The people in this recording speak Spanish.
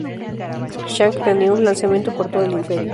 Zhang planeó un alzamiento por todo el imperio.